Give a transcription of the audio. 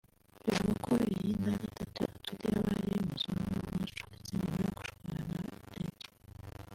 Bivugwa ko iyi nda ya Gatatu atwite yaba ari iy’umuzungu bacuditse nyuma yo gushwana na Radio